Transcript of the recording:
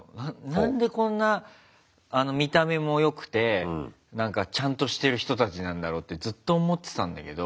何でこんな見た目もよくてちゃんとしてる人たちなんだろうってずっと思ってたんだけど。